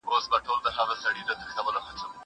زه کولای سم سفر وکړم!!